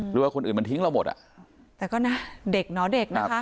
หรือว่าคนอื่นมันทิ้งเราหมดอ่ะแต่ก็นะเด็กเนาะเด็กนะคะ